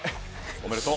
おめでとう。